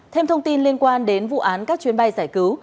thêm thông tin liên quan đến vụ án các chuyến bay giải cứu